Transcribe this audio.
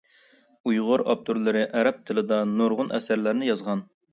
ئۇيغۇر ئاپتورلىرى ئەرەب تىلىدا نۇرغۇن ئەسەرلەرنى يازغان.